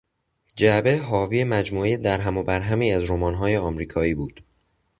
جعبه حاوی مجموعهی درهم و برهمی از رمانهای امریکایی بود.